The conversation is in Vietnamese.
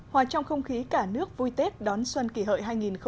hòa trong không khí cả nước vui tết đón xuân kỷ hợi hai nghìn một mươi chín